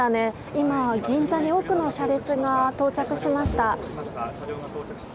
今、銀座に多くの車列が到着しました。